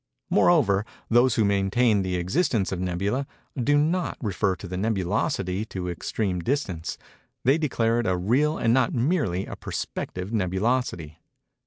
Moreover, those who maintain the existence of nebulæ, do not refer the nebulosity to extreme distance; they declare it a real and not merely a perspective nebulosity.